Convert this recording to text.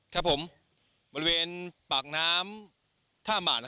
ครับผมบริเวณปากน้ำท่าหมา